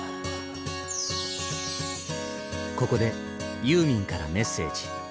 ここでユーミンからメッセージ。